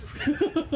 ハハハハ！